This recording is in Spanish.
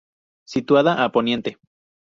Situada a poniente.